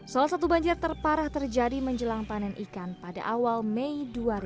salah satu banjir terparah terjadi menjelang panen ikan pada awal mei dua ribu dua puluh